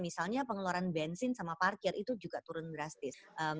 misalnya pengeluaran bensin sama parkir itu juga turun drastis